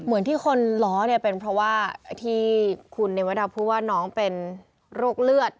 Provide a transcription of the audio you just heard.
เหมือนที่คนล้อเนี่ยเป็นเพราะว่าที่คุณเนวดาพูดว่าน้องเป็นโรคเลือด